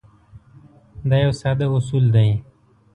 دا یو ساده اصول دی.